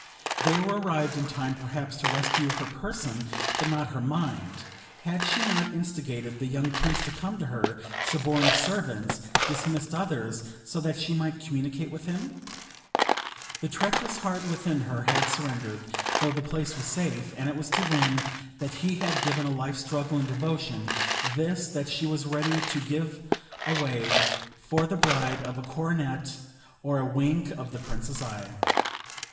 They were arrived in time perhaps to rescue her person, but not her mind; had she not instigated the young Prince to come to her; suborned servants, dismissed others, so that she might communicate with him? The treacherous heart within her had surrendered, though the place was safe; and it was to win this that he had given a life's struggle and devotion; this, that she was ready to give away for the bribe of a coronet or a wink of the Prince's eye.